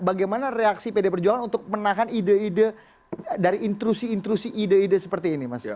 bagaimana reaksi pd perjuangan untuk menahan ide ide dari intrusi intrusi ide ide seperti ini mas